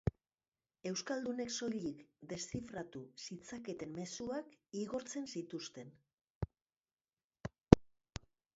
Euskaldunek soilik deszifratu zitzaketen mezuak igortzen zituzten.